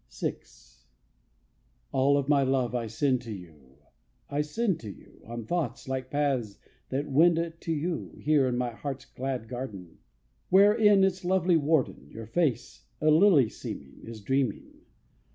VI. All of my love I send to you, I send to you, On thoughts, like paths, that wend to you, Here in my heart's glad garden, Wherein, its lovely warden, Your face, a lily seeming, Is dreaming.